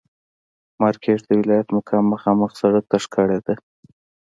مارکېټ د ولایت مقام مخامخ سړک ته ښکارېده.